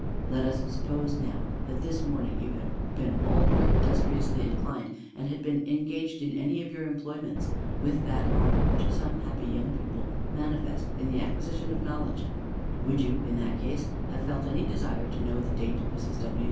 "Let us suppose, now, that this morning you had been all more industriously inclined; and had been engaged in any of your employments with that ardor which some happy young people manifest in the acquisition of knowledge; would you, in that case, have felt any desire to know the date of Mrs. W.'